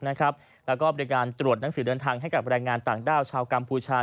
แล้วก็บริการตรวจหนังสือเดินทางให้กับแรงงานต่างด้าวชาวกัมพูชา